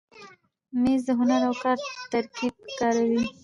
مېز د هنر او کار ترکیب ښکاروي.